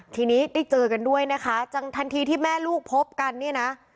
ทีนี้ได้เจอกันด้วยนะคะจังทันทีที่แม่ลูกพบกันเนี่ยนะ